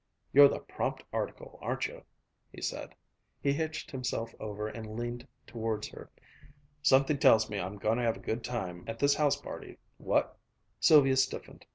"You're the prompt article, aren't you?" he said. He hitched himself over and leaned towards her. "Something tells me I'm goin' to have a good time at this house party, what?" Sylvia stiffened.